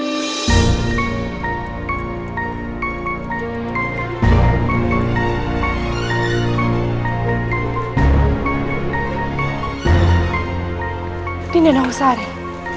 tidak ada yang ingin menghadap